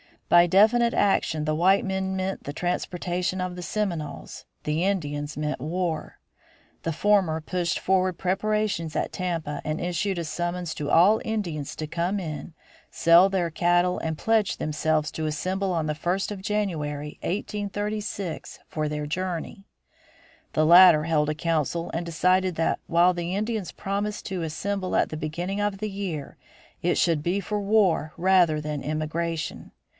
By definite action the white men meant the transportation of the Seminoles, the Indians meant war. The former pushed forward preparations at Tampa, and issued a summons to all Indians to come in, sell their cattle and pledge themselves to assemble on the first of January 1836 for their journey. The latter held a council and decided that while the Indians promised to assemble at the beginning of the year it should be for war rather than emigration.